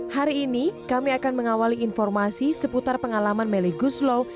hari ini kami akan mengawali informasi seputar pengalaman melly guslo